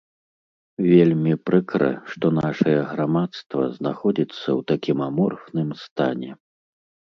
Вельмі прыкра, што нашае грамадства знаходзіцца ў такім аморфным стане.